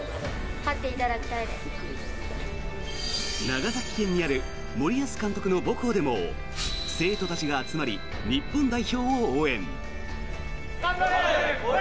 長崎県にある森保監督の母校でも生徒たちが集まり日本代表を応援。